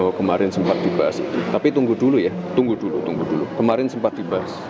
bahwa kemarin sempat dibahas tapi tunggu dulu ya tunggu dulu tunggu dulu kemarin sempat dibahas